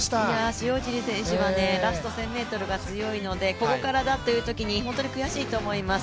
塩尻選手はラスト１０００ｍが強いので、ここからだというときに本当に悔しいと思います。